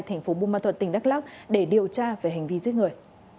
thành phố bù ma thuật tỉnh đắk lắc để điều tra về hành vi giết người